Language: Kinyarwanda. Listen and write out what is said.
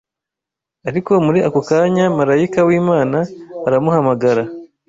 Ariko muri ako kanya marayika w’Imana aramuhamagara